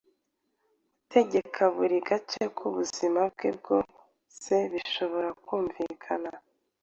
gutegeka buri gace k’ubuzima bwe bwose bishobora kumvikana